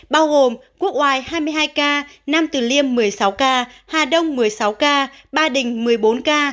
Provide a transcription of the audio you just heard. bao gồm quốc ngoài hai mươi hai ca nam tử liêm một mươi sáu ca hà đông một mươi sáu ca ba đình một mươi bốn ca